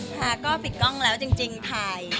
ค่ะก็ปิดกล้องแล้วจริงถ่าย